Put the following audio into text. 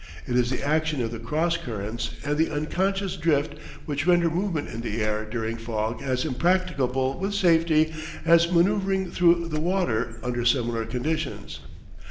It is the action of the cross currents and the unconscious drift which render movement in the air during fog as impracticable with safety as manoeuvring through the water under similar conditions.